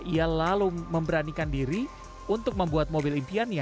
ia lalu memberanikan dirinya untuk menambahkan serikot dan memotongnya